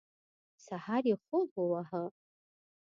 سهار یې خوب وواهه.